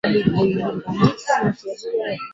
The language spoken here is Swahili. akaisaidia Ufaransa kutwaa kombe la dunia